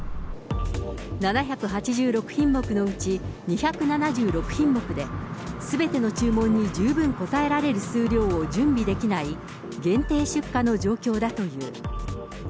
７８６品目のうち２７６品目で、すべての注文に十分応えられる数量を準備できない限定出荷の状況だという。